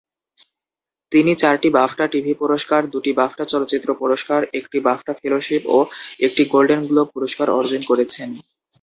তিনি চারটি BAFTA TV পুরস্কার, দুটি বাফটা চলচ্চিত্র পুরস্কার, একটি বাফটা ফেলোশিপ ও একটি গোল্ডেন গ্লোব পুরস্কার অর্জন করেছেন।